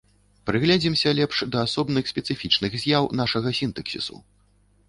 Прыгледзімся лепш да асобных спецыфічных з'яў нашага сінтаксісу.